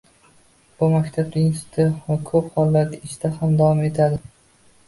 U maktabda, institutda va ko‘p hollarda ishda ham davom etadi.